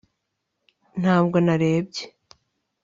ntabwo narebye